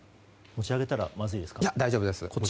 持ち上げたらまずいですか。